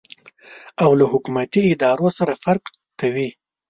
او له حکومتي ادارو سره فرق کوي.